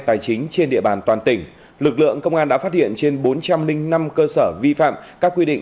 tài chính trên địa bàn toàn tỉnh lực lượng công an đã phát hiện trên bốn trăm linh năm cơ sở vi phạm các quy định